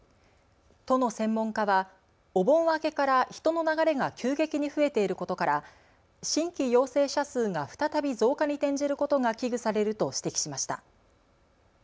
都の専門家はお盆明けから人の流れが急激に増えていることから新規陽性者数が再び増加に転じることが危惧されると指摘しました。